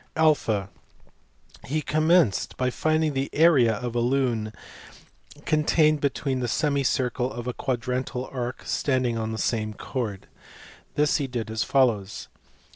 (a) He commenced by finding the area of a lune contained between a semicircle and a quadrantal arc standing on the AREA OF A LUNE. same chord. This he did as follows.